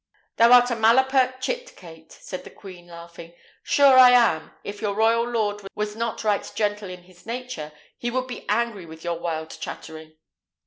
"Thou art a malapert chit, Kate," said the queen, laughing; "sure I am, if your royal lord was not right gentle in his nature, he would be angry with your wild chattering."